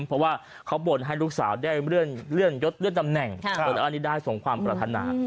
เพราะว่าเขาบ่นให้ลูกสาวได้เลื่อนยดตำแหน่งและอันนี้ได้ส่งความประทานา